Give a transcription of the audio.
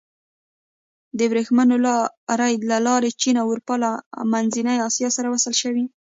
د ورېښمو لارې له لارې چین له اروپا او منځنۍ اسیا سره وصل شو.